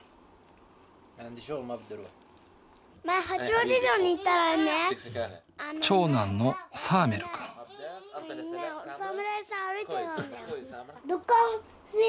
前八王子城に行ったらね。